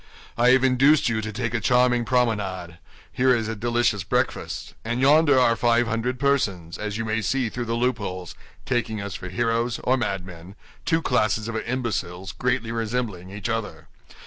"I have induced you to take a charming promenade; here is a delicious breakfast; and yonder are five hundred persons, as you may see through the loopholes, taking us for heroes or madmen—two classes of imbeciles greatly resembling each other."